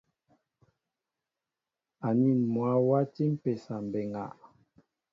Anin mwă wati mpésa mbéŋga.